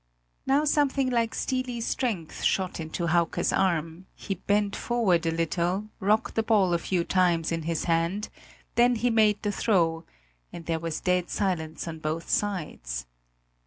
Now something like steely strength shot into Hauke's arm; he bent forward a little, rocked the ball a few times in his hand; then he made the throw, and there was dead silence on both sides.